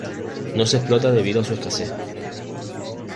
No se explota debido a su escasez.